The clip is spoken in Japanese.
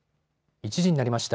１時になりました。